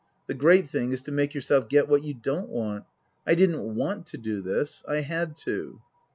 The great thing is to make yourself get what you don't want. I didn't want to do this. I had to."